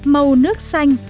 màu nước xanh